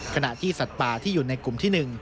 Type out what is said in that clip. ขณะที่สัตว์ป่าที่อยู่ในกลุ่มที่๑